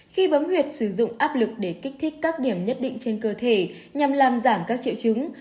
khi bấm huyệt sử dụng áp lực để kích thích các điểm nhất định trên cơ thể nhằm làm giảm các triệu chứng